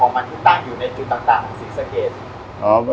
แล้วมันก็ค่อยใดจำนวนป้าและจำนวนของมัน